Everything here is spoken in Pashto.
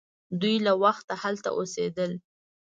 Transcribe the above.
دوی له وخته هلته اوسیدل.